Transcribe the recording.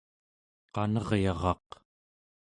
qeraryaraq